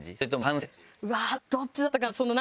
うわーどっちだったかな？